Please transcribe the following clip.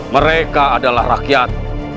mereka adalah rakyat